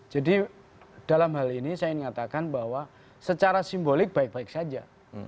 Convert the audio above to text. jadi dalam hal ini saya ingin mengatakan bahwa secara simbolik baik baik saja